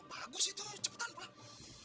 bagus itu cepetan pulang